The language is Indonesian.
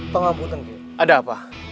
pengabuteng kek ada apa